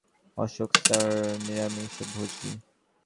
Ashok sir নিরামিষভোজী।